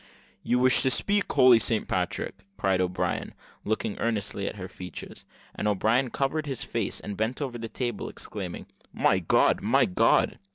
"You wish to speak holy Saint Patrick!" cried O'Brien, looking earnestly at her features; and O'Brien covered his face, and bent over the table, exclaiming, "My God, my God!"